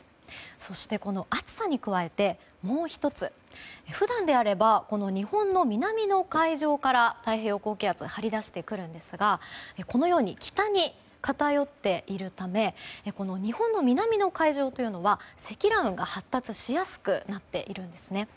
そして、この暑さに加えてもう１つ普段であれば日本の南の海上から太平洋高気圧が張り出してくるんですがこのように北に偏っているため日本の南の海上というのは積乱雲が発達をしやすくなっているんですね。